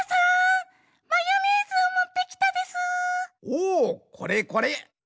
おおっこれこれ！